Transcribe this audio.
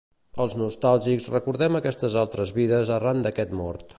Els nostàlgics recordem aquestes altres vides arran d'aquest mort.